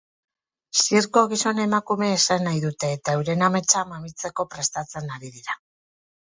Zirko gizon-emakume izan nahi dute, eta euren ametsa mamitzeko prestatzen ari dira.